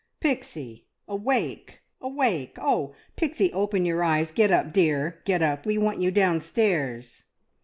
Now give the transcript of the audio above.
"Pixie, awake! awake! Oh, Pixie, open your eyes! Get up, dear, get up! We want you downstairs!"